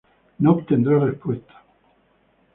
No obtendrá respuesta.